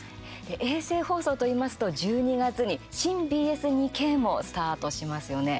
衛星放送といいますと１２月に新ＢＳ２Ｋもスタートしますよね。